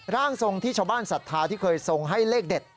ร่างทรงที่ชาวบ้านศรัทธาที่เคยทรงให้เลขเด็ด